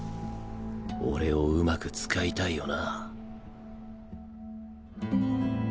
俺をうまく使いたいよなァ？